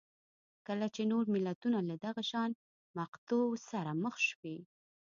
کله چې نور ملتونه له دغه شان مقطعو سره مخ شوي